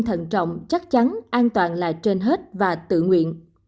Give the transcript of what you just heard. thận trọng chắc chắn an toàn là trên hết và tự nguyện